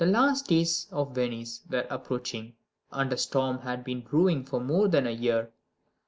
The last days of Venice were approaching, and a storm had been brewing for more than a year.